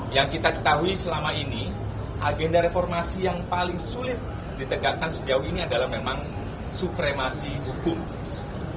yang kita ketahui selama ini agenda reformasi yang paling sulit ditegakkan sejauh ini adalah memang supremasi hukum